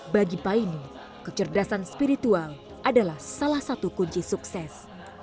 bagi paine kecerdasan spiritual adalah salah satu kunci sukses